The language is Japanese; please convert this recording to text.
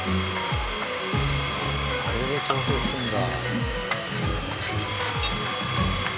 あれで調節するんだ。